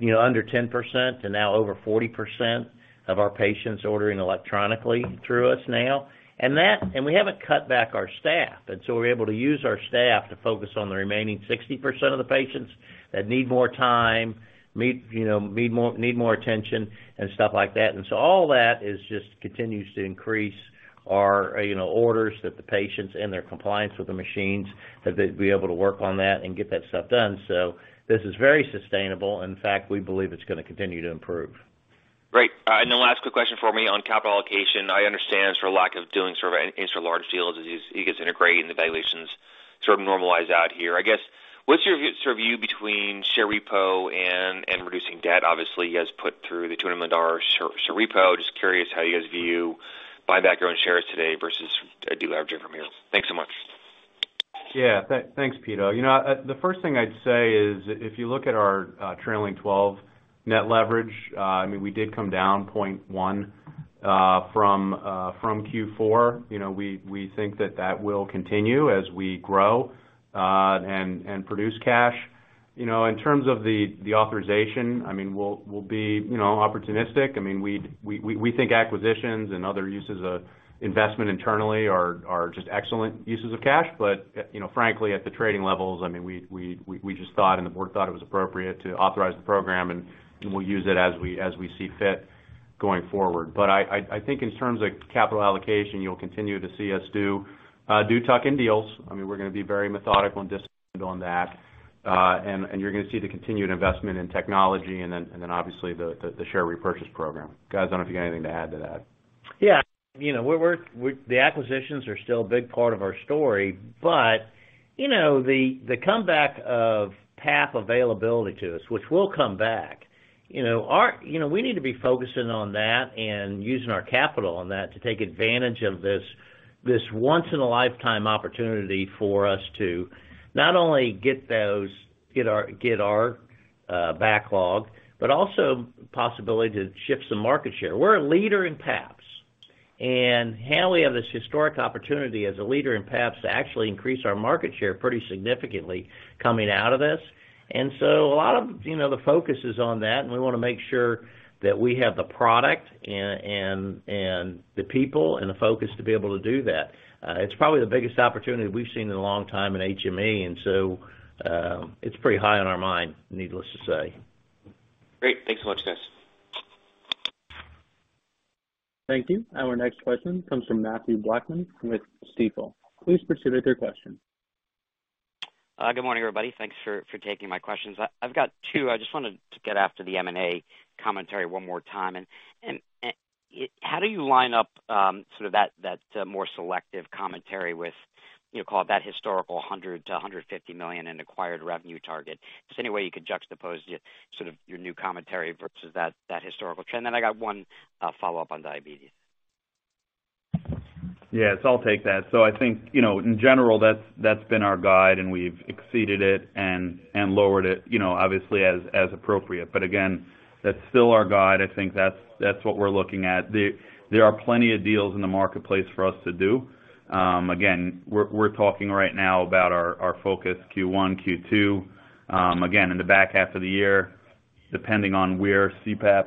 you know under 10% to now over 40% of our patients ordering electronically through us now. And that and we haven't cut back our staff, and so we're able to use our staff to focus on the remaining 60% of the patients that need more time, you know need more attention and stuff like that. All that is just continues to increase our you know orders that the patients and their compliance with the machines, that they'd be able to work on that and get that stuff done. This is very sustainable. In fact, we believe it's gonna continue to improve. Great. Last quick question for me on capital allocation. I understand sort of lack of doing sort of any sort of large deals as you guys integrate and the valuations sort of normalize out here. I guess, what's your sort of view between share repo and reducing debt? Obviously, you guys put through the $200 million share repo. Just curious how you guys view buyback your own shares today versus a deal at a different scale. Thanks so much. Yeah. Thanks, Pito. You know, the first thing I'd say is if you look at our trailing twelve net leverage, I mean, we did come down 0.1 from Q4. You know, we think that will continue as we grow and produce cash. You know, in terms of the authorization, I mean, we'll be, you know, opportunistic. I mean, we think acquisitions and other uses of investment internally are just excellent uses of cash. But you know, frankly, at the trading levels, I mean, we just thought and the board thought it was appropriate to authorize the program, and we'll use it as we see fit going forward. But I think in terms of capital allocation, you'll continue to see us do a few tuck-in deals. I mean, we're gonna be very methodical and disciplined on that. You're gonna see the continued investment in technology and then obviously the share repurchase program. Guys, I don't know if you have anything to add to that. Yeah. You know, we're. The acquisitions are still a big part of our story, but you know, the comeback of PAP availability to us, which will come back, you know. We need to be focusing on that and using our capital on that to take advantage of this once in a lifetime opportunity for us to not only get our backlog, but also possibility to shift some market share. We're a leader in PAPs, and here we have this historic opportunity as a leader in PAPs to actually increase our market share pretty significantly coming out of this. A lot of, you know, the focus is on that, and we wanna make sure that we have the product and the people and the focus to be able to do that. It's probably the biggest opportunity we've seen in a long time in HME, and so it's pretty high on our mind, needless to say. Great. Thanks so much, guys. Thank you. Our next question comes from Mathew Blackman with Stifel. Please proceed with your question. Good morning, everybody. Thanks for taking my questions. I've got two. I just wanted to get after the M&A commentary one more time. How do you line up sort of that more selective commentary with, you know, call it that historical $100 million-$150 million in acquired revenue target? Is there any way you could juxtapose your sort of your new commentary versus that historical trend? I got one follow-up on diabetes. Yes, I'll take that. I think, you know, in general, that's been our guide, and we've exceeded it and lowered it, you know, obviously, as appropriate. Again, that's still our guide. I think that's what we're looking at. There are plenty of deals in the marketplace for us to do. Again, we're talking right now about our focus Q1, Q2. Again, in the back half of the year, depending on where CPAP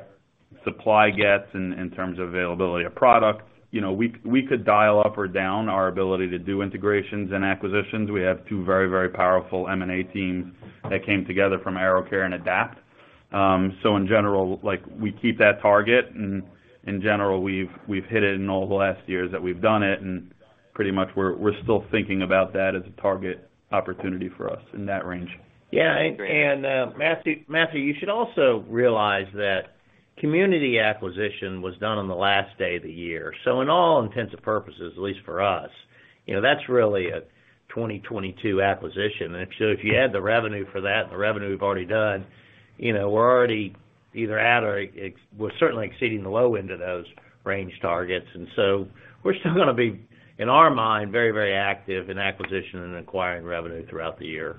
supply gets in terms of availability of product, you know, we could dial up or down our ability to do integrations and acquisitions. We have two very powerful M&A teams that came together from AeroCare and Adapt. In general, like, we keep that target, and in general, we've hit it in all the last years that we've done it, and pretty much we're still thinking about that as a target opportunity for us in that range. Matthew, you should also realize that Community acquisition was done on the last day of the year. In all intents and purposes, at least for us, you know, that's really a 2022 acquisition. If you add the revenue for that and the revenue we've already done, you know, we're already either at or we're certainly exceeding the low end of those range targets. We're still gonna be, in our mind, very, very active in acquisition and acquiring revenue throughout the year.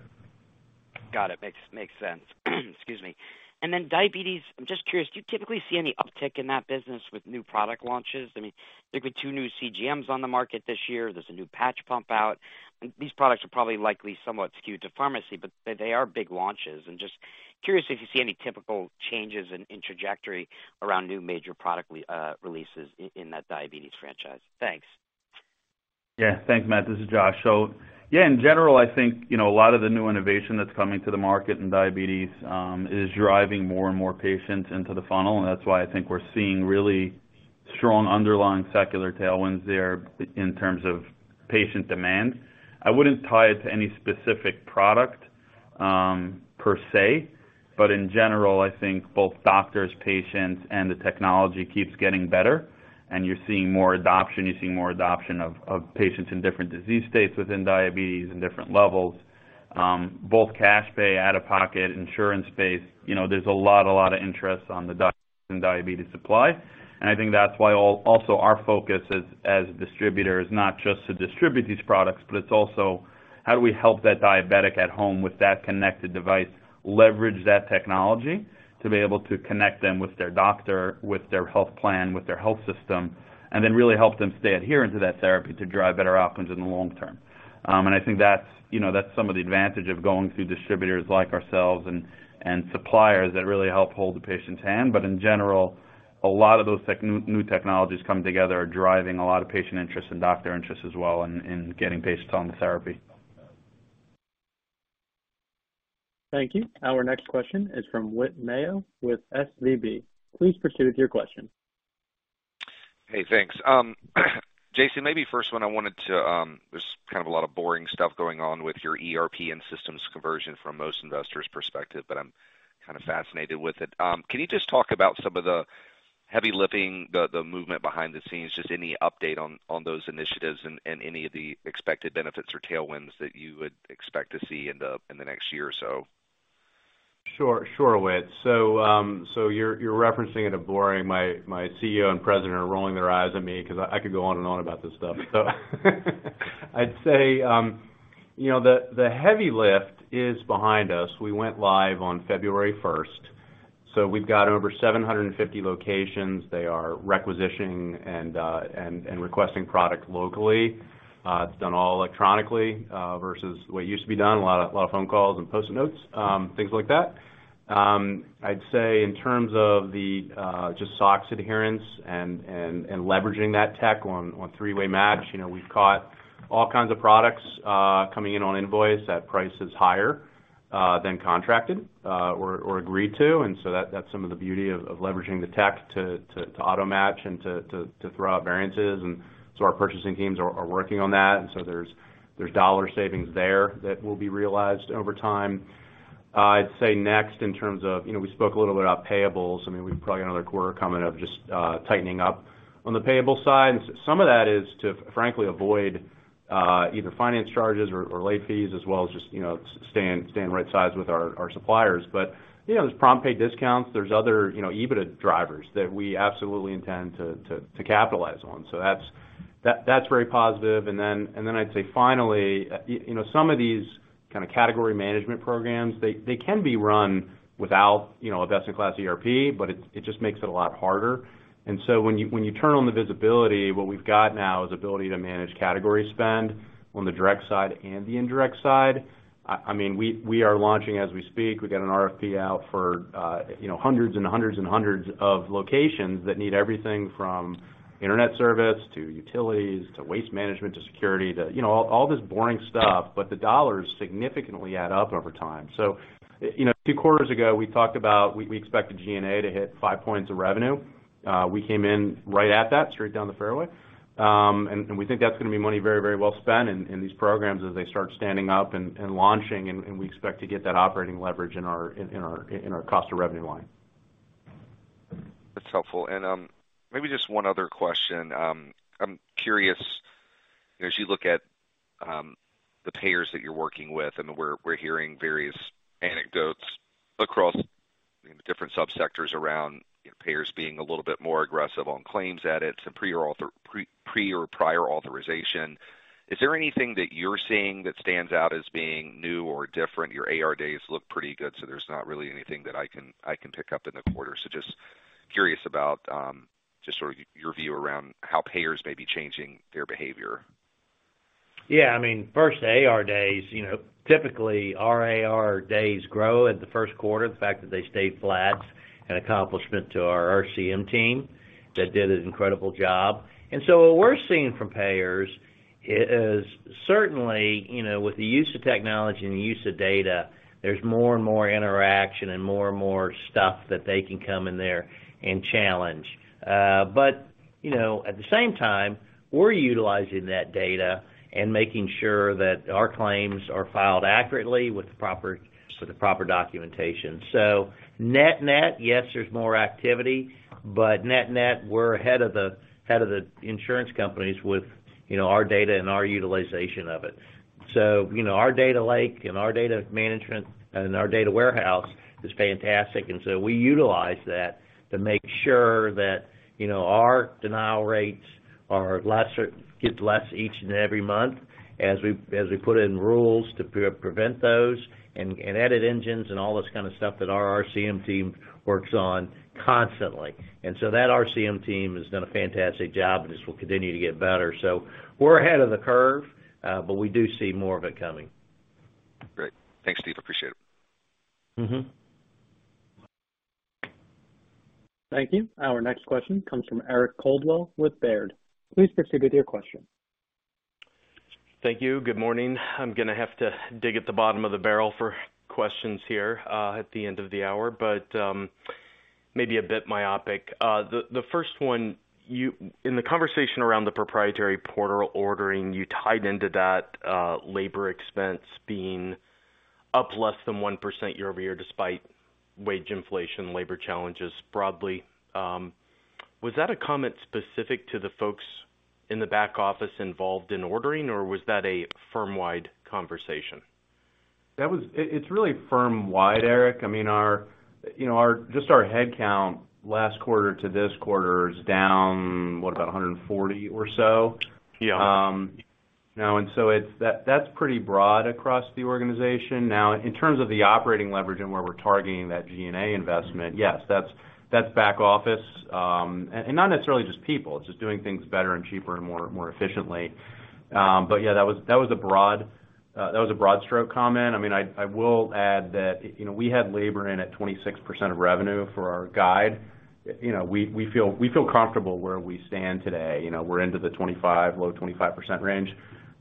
Got it. Makes sense. Excuse me. Diabetes, I'm just curious, do you typically see any uptick in that business with new product launches? I mean, there could be two new CGMs on the market this year. There's a new patch pump out. These products are probably likely somewhat skewed to pharmacy, but they are big launches. I'm just curious if you see any typical changes in trajectory around new major product releases in that diabetes franchise. Thanks. Thanks, Matt. This is Josh. Yeah, in general, I think, you know, a lot of the new innovation that's coming to the market in diabetes is driving more and more patients into the funnel, and that's why I think we're seeing really strong underlying secular tailwinds there in terms of patient demand. I wouldn't tie it to any specific product per se, but in general, I think both doctors, patients, and the technology keeps getting better, and you're seeing more adoption of patients in different disease states within diabetes and different levels both cash pay, out of pocket, insurance space. You know, there's a lot of interest on the docs in diabetes supply. I think that's why also our focus as a distributor is not just to distribute these products, but it's also how do we help that diabetic at home with that connected device, leverage that technology to be able to connect them with their doctor, with their health plan, with their health system, and then really help them stay adherent to that therapy to drive better outcomes in the long term. I think that's, you know, that's some of the advantage of going through distributors like ourselves and suppliers that really help hold the patient's hand. In general, a lot of those new technologies coming together are driving a lot of patient interest and doctor interest as well in getting patients on the therapy. Thank you. Our next question is from Whit Mayo with SVB. Please proceed with your question. Hey, thanks. Jason, maybe first one I wanted to, there's kind of a lot of boring stuff going on with your ERP and systems conversion from most investors' perspective, but I'm kind of fascinated with it. Can you just talk about some of the heavy lifting, the movement behind the scenes, just any update on those initiatives and any of the expected benefits or tailwinds that you would expect to see in the next year or so? Sure. Sure, Whit. You're referencing it as boring. My CEO and president are rolling their eyes at me 'cause I could go on and on about this stuff. I'd say, you know, the heavy lift is behind us. We went live on February first. We've got over 750 locations. They are requisitioning and requesting product locally. It's done all electronically versus the way it used to be done, a lot of phone calls and Post-it notes, things like that. I'd say in terms of just SOX adherence and leveraging that tech on three-way match, you know, we've caught all kinds of products coming in on invoice at prices higher than contracted or agreed to. That's some of the beauty of leveraging the tech to auto match and to throw out variances. Our purchasing teams are working on that. There's dollar savings there that will be realized over time. I'd say next, in terms of, you know, we spoke a little bit about payables. I mean, we've probably another quarter coming of just tightening up on the payable side. Some of that is to, frankly, avoid either finance charges or late fees as well as just, you know, staying right size with our suppliers. You know, there's prompt pay discounts, there's other, you know, EBITDA drivers that we absolutely intend to capitalize on. That's very positive. I'd say finally, you know, some of these kind of category management programs, they can be run without, you know, a best-in-class ERP, but it just makes it a lot harder. So when you turn on the visibility, what we've got now is ability to manage category spend on the direct side and the indirect side. I mean, we are launching as we speak. We've got an RFP out for, you know, hundreds of locations that need everything from internet service, to utilities, to waste management, to security, to, you know, all this boring stuff, but the dollars significantly add up over time. You know, a few quarters ago, we talked about we expected G&A to hit 5 points of revenue. We came in right at that, straight down the fairway. We think that's gonna be money very, very well spent in these programs as they start standing up and launching, and we expect to get that operating leverage in our cost of revenue line. That's helpful. Maybe just one other question. I'm curious, as you look at the payers that you're working with, and we're hearing various anecdotes across different subsectors around payers being a little bit more aggressive on claims edits and prior authorization. Is there anything that you're seeing that stands out as being new or different? Your AR days look pretty good, so there's not really anything that I can pick up in the quarter. Just curious about just sort of your view around how payers may be changing their behavior. Yeah, I mean, first AR days, you know, typically our AR days grow in the first quarter. The fact that they stayed flat, an accomplishment to our RCM team that did an incredible job. What we're seeing from payers is certainly, you know, with the use of technology and the use of data, there's more and more interaction and more and more stuff that they can come in there and challenge. But, you know, at the same time, we're utilizing that data and making sure that our claims are filed accurately with the proper documentation. Net-net, yes, there's more activity, but net-net, we're ahead of the insurance companies with, you know, our data and our utilization of it. You know, our data lake and our data management and our data warehouse is fantastic, and we utilize that to make sure that, you know, our denial rates get less each and every month as we put in rules to prevent those and edit engines and all this kind of stuff that our RCM team works on constantly. That RCM team has done a fantastic job. It just will continue to get better. We're ahead of the curve, but we do see more of it coming. Great. Thanks, Steve. Appreciate it. Mm-hmm. Thank you. Our next question comes from Eric Coldwell with Baird. Please proceed with your question. Thank you. Good morning. I'm gonna have to dig at the bottom of the barrel for questions here, at the end of the hour, but maybe a bit myopic. The first one, in the conversation around the proprietary portal ordering, you tied into that, labor expense being up less than 1% year-over-year, despite wage inflation, labor challenges broadly. Was that a comment specific to the folks in the back office involved in ordering, or was that a firm-wide conversation? It's really firm-wide, Eric. I mean, our, you know, just our head count last quarter to this quarter is down, what, about 140 or so. Yeah. That's pretty broad across the organization. Now, in terms of the operating leverage and where we're targeting that G&A investment, yes, that's back office. Not necessarily just people. It's just doing things better and cheaper and more efficiently. Yeah, that was a broad stroke comment. I mean, I will add that, you know, we had labor in at 26% of revenue for our guide. You know, we feel comfortable where we stand today. You know, we're into the 25, low 25% range,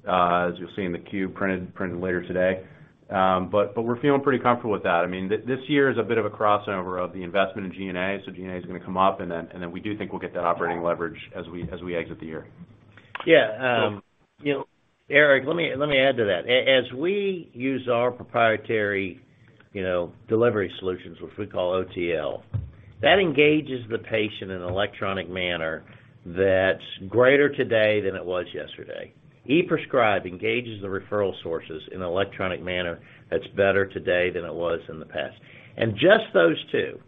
as you'll see in the cube printed later today. We're feeling pretty comfortable with that. I mean, this year is a bit of a crossover of the investment in G&A, so G&A is gonna come up, and then we do think we'll get that operating leverage as we exit the year. Yeah. You know, Eric, let me add to that. As we use our proprietary, you know, delivery solutions, which we call OTL, that engages the patient in an electronic manner that's greater today than it was yesterday. e-prescribe engages the referral sources in an electronic manner that's better today than it was in the past. Just those two,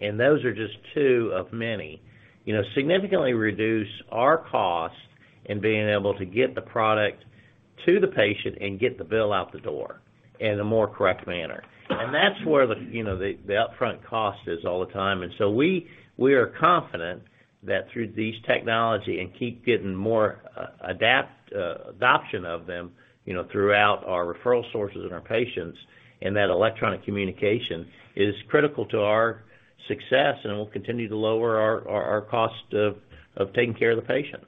and those are just two of many, you know, significantly reduce our cost in being able to get the product to the patient and get the bill out the door in a more correct manner. That's where the, you know, the upfront cost is all the time. We are confident that through these technology and keep getting more adoption of them, you know, throughout our referral sources and our patients, and that electronic communication is critical to our success and will continue to lower our cost of taking care of the patient.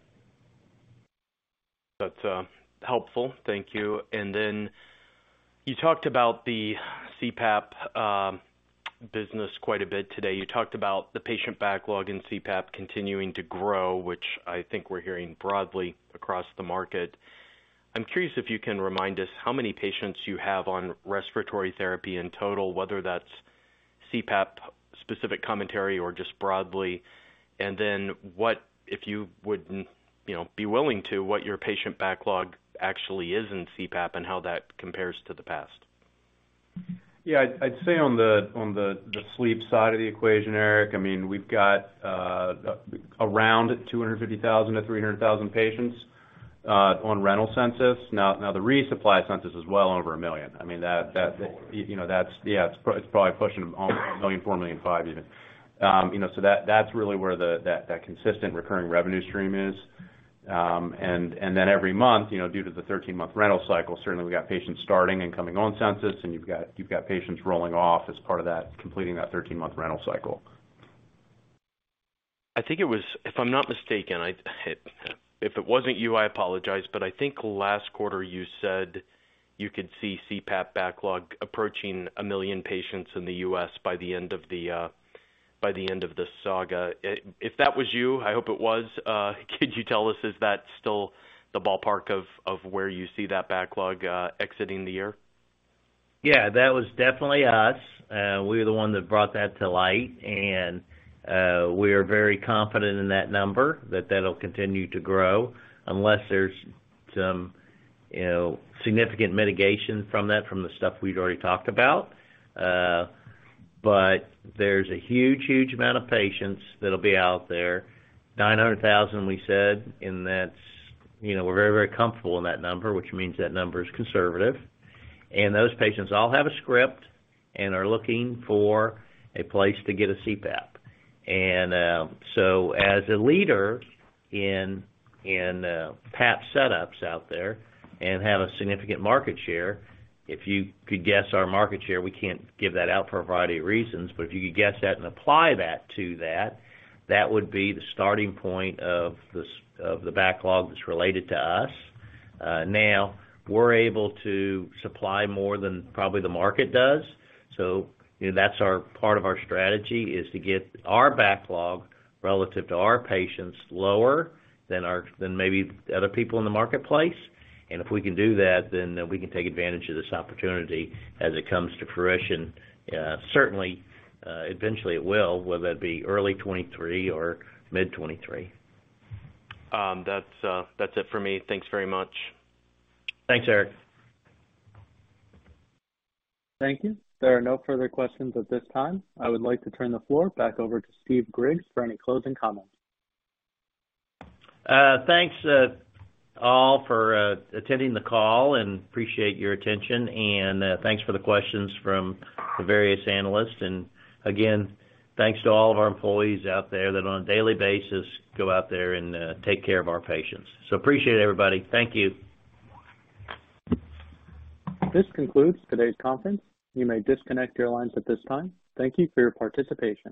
That's helpful. Thank you. Then you talked about the CPAP business quite a bit today. You talked about the patient backlog in CPAP continuing to grow, which I think we're hearing broadly across the market. I'm curious if you can remind us how many patients you have on respiratory therapy in total, whether that's CPAP specific commentary or just broadly. Then what, if you would, you know, be willing to, what your patient backlog actually is in CPAP and how that compares to the past. Yeah. I'd say on the sleep side of the equation, Eric, I mean, we've got around 250,000-300,000 patients on rental census. Now the resupply census is well over a million. I mean, you know, that's, yeah, it's probably pushing almost 1.4 million, 1.5 even. You know, so that's really where the consistent recurring revenue stream is. Then every month, you know, due to the 13-month rental cycle, certainly we got patients starting and coming on census, and you've got patients rolling off as part of that, completing that 13-month rental cycle. I think it was, if I'm not mistaken, if it wasn't you, I apologize, but I think last quarter you said you could see CPAP backlog approaching 1 million patients in the U.S. by the end of the saga. If that was you, I hope it was, can you tell us, is that still the ballpark of where you see that backlog exiting the year? Yeah, that was definitely us. We were the one that brought that to light, and we're very confident in that number that that'll continue to grow unless there's some, you know, significant mitigation from that, from the stuff we'd already talked about. But there's a huge amount of patients that'll be out there. 900,000 we said, and that's, you know, we're very, very comfortable in that number, which means that number is conservative. Those patients all have a script and are looking for a place to get a CPAP. As a leader in PAP setups out there and have a significant market share, if you could guess our market share, we can't give that out for a variety of reasons, but if you could guess that and apply that to that would be the starting point of this of the backlog that's related to us. Now, we're able to supply more than probably the market does. You know, that's our part of our strategy, is to get our backlog relative to our patients lower than our than maybe other people in the marketplace. If we can do that, then we can take advantage of this opportunity as it comes to fruition. Certainly, eventually it will, whether that be early 2023 or mid 2023. That's it for me. Thanks very much. Thanks, Eric. Thank you. There are no further questions at this time. I would like to turn the floor back over to Steve Griggs for any closing comments. Thanks, all for attending the call and appreciate your attention. Thanks for the questions from the various analysts. Again, thanks to all of our employees out there that on a daily basis go out there and take care of our patients. Appreciate it, everybody. Thank you. This concludes today's conference. You may disconnect your lines at this time. Thank you for your participation.